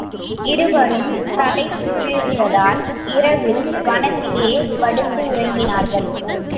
இருவரும் களைப்புற்றிருந்ததால், இரவில் வனத்திலேயே படுத்து உறங்கினார்கள்.